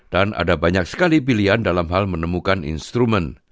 dan ada banyak sekali pilihan dalam hal menemukan instrumen